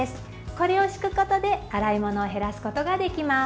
これを敷くことで洗い物を減らすことができます。